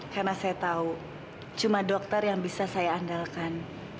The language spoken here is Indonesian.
karena saya tahu cuma dokter yang bisa saya andalkan